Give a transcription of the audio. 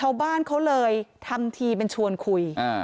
อ่ะปล่อยตัวไปอ๋อ